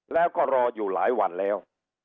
แล้วก็รออยู่หลายวันแล้ว